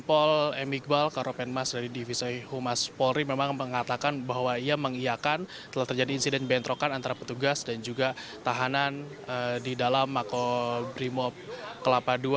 pol m iqbal karopenmas dari divisa humas polri memang mengatakan bahwa ia mengiakan telah terjadi insiden bentrokan antara petugas dan juga tahanan di dalam mako brimob kelapa ii